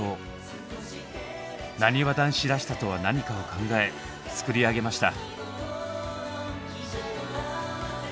「なにわ男子らしさ」とは何かを考え作り上げました。